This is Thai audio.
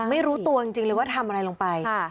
ไม่รู้ตัวจริงเลยว่าทำอะไรลงไป